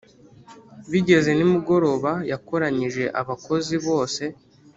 Bigeze nimugoroba, yakoranyije abakozi bose